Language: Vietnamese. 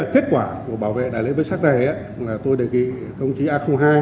kết quả của bảo vệ đại lễ với sắc này là tôi đề kỳ công chí a hai